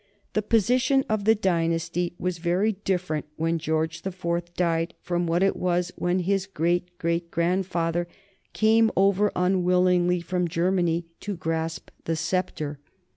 The position of the dynasty was very different when George the Fourth died from what it was when his great great grandfather came over unwillingly from Germany to grasp the sceptre.